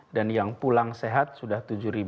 dan yang pulang sehat sudah tujuh tiga ratus empat belas